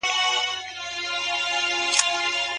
شفافیت په روغتیایي چارو کي څه مانا لري؟